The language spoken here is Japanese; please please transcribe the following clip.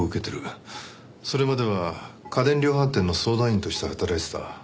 それまでは家電量販店の相談員として働いてた。